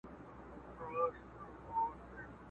په دنیا کي « اول ځان پسې جهان دی »!